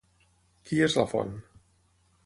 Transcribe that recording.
Qui és la font?